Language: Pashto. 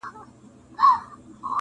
هسې نه خپلې بد دعا وي رانه لرې وړے